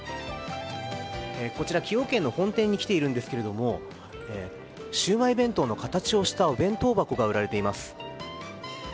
こちら、崎陽軒の本店に来ているんですけれどもシウマイ弁当の形をしたお弁当箱が売られています。